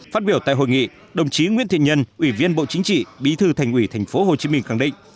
phát biểu tại hội nghị đồng chí nguyễn thiện nhân ủy viên bộ chính trị bí thư thành ủy tp hcm khẳng định